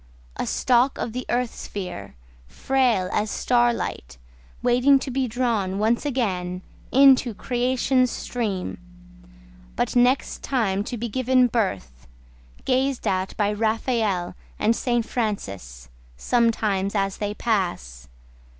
A stalk of the earth sphere, Frail as star light; Waiting to be drawn once again Into creation's stream. But next time to be given birth Gazed at by Raphael and St. Francis Sometimes as they pass.